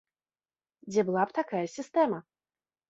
Дзе была б такая сістэма.